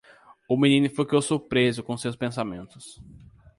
O menino ficou surpreso com seus pensamentos.